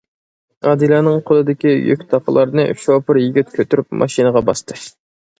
ئادىلەنىڭ قولىدىكى يۈك-تاقلارنى شوپۇر يىگىت كۆتۈرۈپ ماشىنىغا باستى.